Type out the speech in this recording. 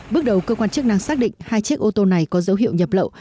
bước đầu cơ quan chức năng xác định hai chiếc ô tô này có dấu hiệu nhập lậu